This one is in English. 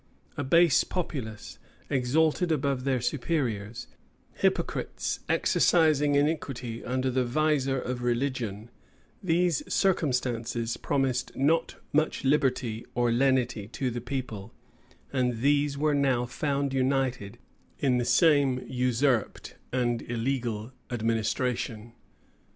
A base populace, exalted above their superiors; hypocrites, exercising iniquity under the visor of religion: these circumstances promised not much liberty or lenity to the people; and these were now found united in the same usurped and illegal administration.